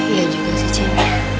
iya juga sih cing